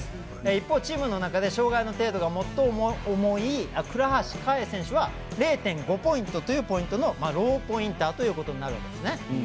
一方、チームの中で障がいの程度が最も重い倉橋香衣選手は０．５ポイントというポイントのローポインターということになるわけですね。